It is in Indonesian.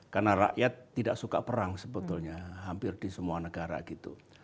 karena rakyat tidak suka perang sebetulnya hampir di semua negara gitu